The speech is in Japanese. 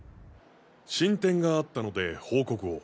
進展があったので報告を。